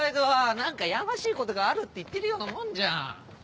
何かやましいことがあるって言ってるようなもんじゃん。